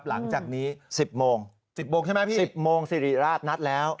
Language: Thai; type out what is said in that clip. หลังจากนี้๑๐โมง๑๐โมงใช่ไหมพี่๑๐โมงสิริราชนัดแล้ว